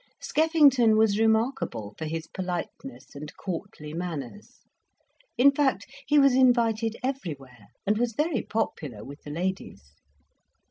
Skeffington was remarkable for his politeness and courtly manners; in fact, he was invited everywhere, and was very popular with the ladies.